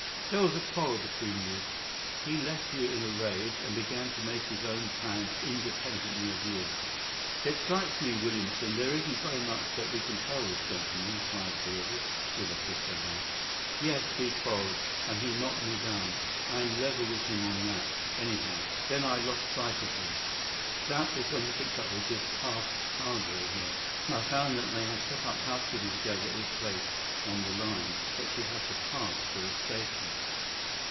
"There was a quarrel between you. He left you in a rage, and began to make his own plans independently of you." "It strikes me, Williamson, there isn't very much that we can tell this gentleman," cried Carruthers, with a bitter laugh. "Yes, we quarreled, and he knocked me down. I am level with him on that, anyhow. Then I lost sight of him. That was when he picked up with this cast padre here. I found that they had set up house keeping together at this place on the line that she had to pass for the station.